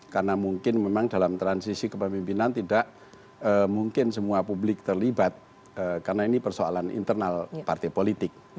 karena mungkin memang dalam transisi kepemimpinan tidak mungkin semua publik terlibat karena ini persoalan internal partai politik